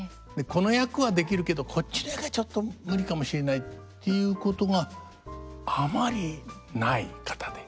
この役はできるけどこっちの役はちょっと無理かもしれないということがあまりない方で。